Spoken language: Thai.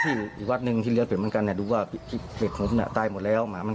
แต่คลิปหลุดออกมาในโลกออนไลน์